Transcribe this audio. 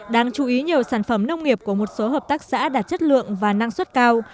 đáng chú ý nhiều sản phẩm nông nghiệp của một số hợp tác xã đạt chất lượng và năng suất cao